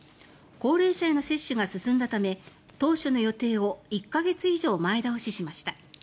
高齢者への接種が進んだため当初の予定を１か月以上前倒ししました。